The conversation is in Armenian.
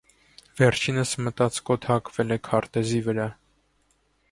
Վերջինս մտածկոտ հակվել է քարտեզի վրա։